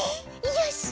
よし。